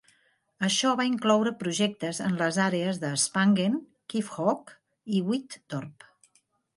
Això va incloure projectes en les àrees de Spangen, Kiefhoek i Witte Dorp.